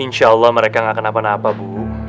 insyaallah mereka gak kenapa napa bu